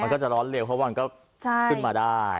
มันก็จะร้อนเร็วเพราะมันก็ขึ้นมาได้